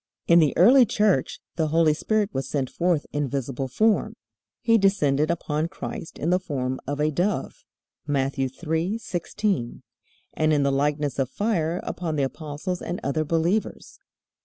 In the early Church the Holy Spirit was sent forth in visible form. He descended upon Christ in the form of a dove (Matt. 3:16), and in the likeness of fire upon the apostles and other believers.